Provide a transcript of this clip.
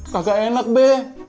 kagak enak be